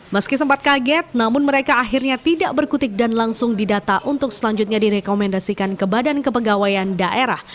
meski sempat kaget namun mereka akhirnya tidak berkutik dan langsung didata untuk selanjutnya direkomendasikan ke badan kepegawaian daerah